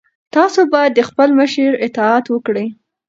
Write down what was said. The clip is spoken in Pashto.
تاسو باید د خپل مشر اطاعت وکړئ.